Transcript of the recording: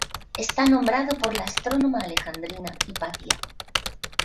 Está nombrado por la astrónoma alejandrina Hipatia.